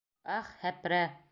Ах, һәпрә!